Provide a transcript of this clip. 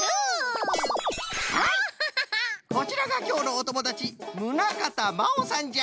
はいこちらがきょうのおともだちむなかたまおさんじゃ。